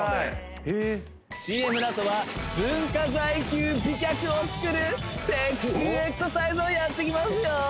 ＣＭのあとは文化財級美脚をつくるセクシーエクササイズをやっていきますよ